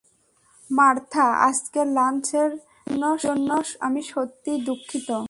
Martha, আজকের লাঞ্চের জন্য আমি সত্যিই দুঃখিত।